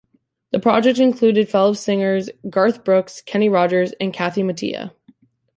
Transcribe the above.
The project included fellow singers Garth Brooks, Kenny Rogers and Kathy Mattea.